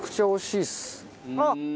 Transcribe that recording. あっ！